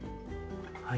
はい。